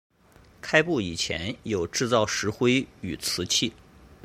开埠以前有制造石灰与瓷器。